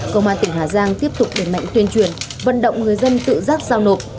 công an tỉnh hà giang tiếp tục đẩy mạnh tuyên truyền vận động người dân tự giác giao nộp